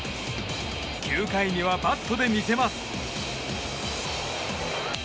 ９回にはバットで見せます。